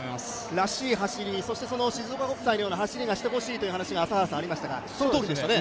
らしい走り、静岡国際のような走りをしてほしいという話がありましたが本当にそうでしたね。